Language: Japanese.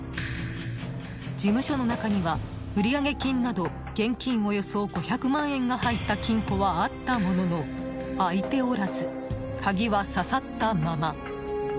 事務所の中には、売上金など現金およそ５００万円が入った金庫はあったものの開いておらず鍵はささったまま。